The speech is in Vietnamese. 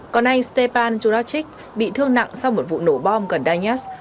còn anh stepan churachik bị thương nặng sau một vụ nổ bom gần danes